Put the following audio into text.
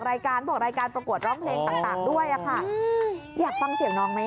รายการบอกรายการประกวดร้องเพลงต่างด้วยอะค่ะอยากฟังเสียงน้องไหม